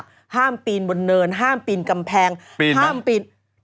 บุญบุญทำแค่นี้